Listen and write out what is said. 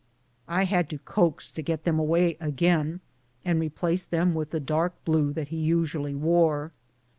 I had to coax to get them away again and replace them with the dark blue that he usually wore.